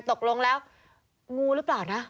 ตกลงแล้วงูหรือเปล่านะ